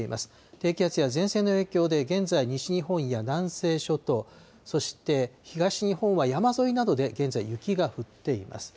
低気圧や前線の影響で現在、西日本や南西諸島、そして東日本は山沿いなどで現在、雪が降っています。